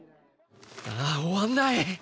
ああ終わんない！